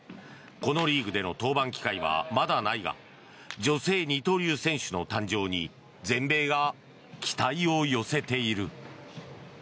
このリーグでの登板機会はまだないが女性二刀流選手の誕生に全米が期待を寄せている。